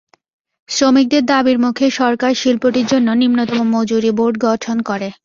শ্রমিকদের দাবির মুখে সরকার শিল্পটির জন্য নিম্নতম মজুরি বোর্ড গঠন করে।